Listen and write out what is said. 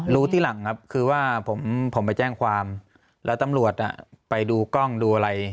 รู้ที่หลังครับคือว่าผมไปแจ้งความแล้วตำรวจไปดูกล้องดูอะไร